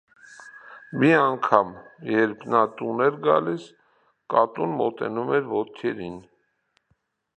Մի անգամ, երբ նա տուն է գալիս, կատուն մոտենում է ոտքերին։